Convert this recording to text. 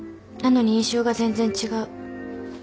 なのに印象が全然違う。